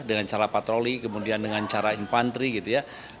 dengan cara patroli kemudian dengan cara infanteri gitu ya